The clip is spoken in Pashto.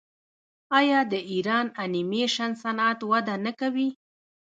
آیا د ایران انیمیشن صنعت وده نه کوي؟